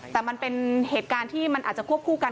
แต่มันเป็นเหตุการณ์ที่มันอาจจะควบคู่กัน